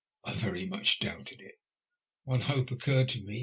I very much doubted it. One hope occurred to me.